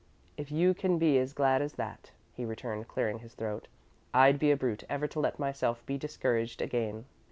"If you can be as glad as that," he returned, clearing his throat, "I'd be a brute ever to let myself be discouraged again."